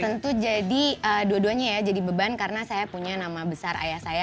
tentu jadi dua duanya ya jadi beban karena saya punya nama besar ayah saya